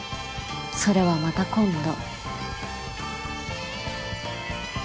それはまた今度。